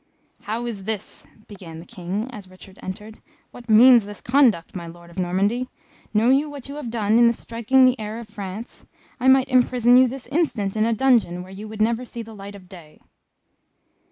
"How is this?" began the King, as Richard entered. "What means this conduct, my Lord of Normandy? Know you what you have done in striking the heir of France? I might imprison you this instant in a dungeon where you would never see the light of day."